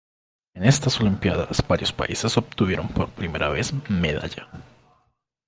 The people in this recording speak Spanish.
En estas olimpiadas varios países obtuvieron por primera vez medalla.